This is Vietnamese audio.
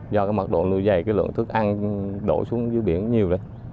do mặt độ nuôi dày lượng thức ăn đổ xuống dưới biển nhiều